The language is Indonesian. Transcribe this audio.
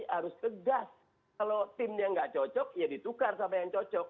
harus tegas kalau timnya nggak cocok ya ditukar sama yang cocok